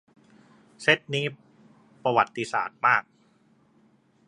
เซตนี้ ประวัติศาสตร์มาก